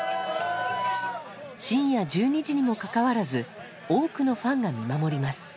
深夜１２時にもかかわらず多くのファンが見守ります。